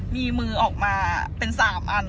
มีมือออกมาเป็น๓อัน